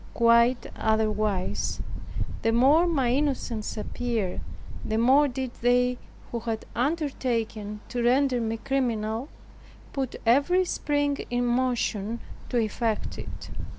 Quite otherwise, the more my innocence appeared, the more did they, who had undertaken to render me criminal, put every spring in motion to effect it.